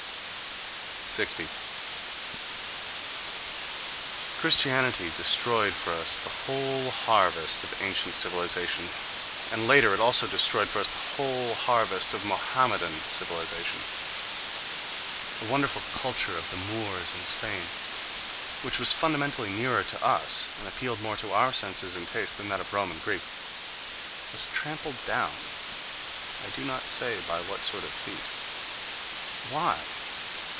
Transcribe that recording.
60. Christianity destroyed for us the whole harvest of ancient civilization, and later it also destroyed for us the whole harvest of Mohammedan civilization. The wonderful culture of the Moors in Spain, which was fundamentally nearer to us and appealed more to our senses and tastes than that of Rome and Greece, was trampled down (—I do not say by what sort of feet—) Why?